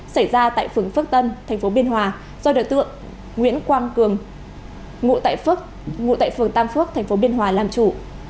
xảy ra tại phường phước tân thành phố biên hòa do đợt tượng nguyễn quang cường ngụ tại phường tam phước thành phố biên hòa làm chủ